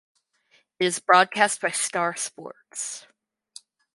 It is broadcast by Star Sports.